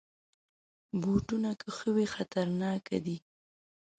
بوټونه که ښوی وي، خطرناک دي.